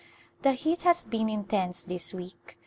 The heat has been intense this week.